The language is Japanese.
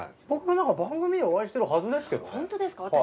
僕もなんか番組でお会いしてるはずですけどね。